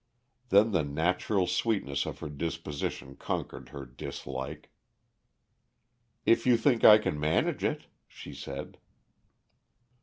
Then the natural sweetness of her disposition conquered her dislike. "If you think I can manage it," she said.